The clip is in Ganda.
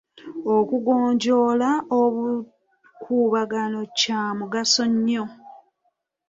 Okugonjoola obukuubagano kya mugaso nnyo.